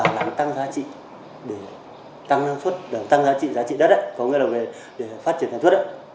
đồng tăng giá trị để tăng năng suất đồng tăng giá trị đất có nghĩa là để phát triển năng suất